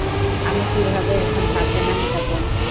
আমি কীভাবে এখন ধার-দেনা মেটাবো?